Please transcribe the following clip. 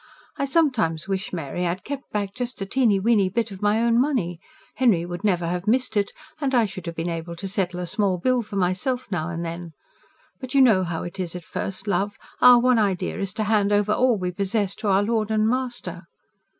I sometimes wish, Mary, I had kept back just a teeny weeny bit of my own money. Henry would never have missed it, and I should have been able to settle a small bill for myself now and then. But you know how it is at first, love. Our one idea is to hand over all we possess to our lord and master."